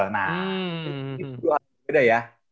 nah itu dua hal beda ya